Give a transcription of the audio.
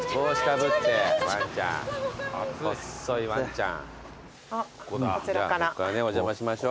じゃあこっからねお邪魔しましょう。